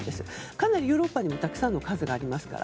かなり、ヨーロッパにもたくさんの数がありますから。